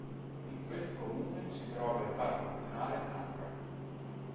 In quest comune si trova il Parco nazionale Hamra.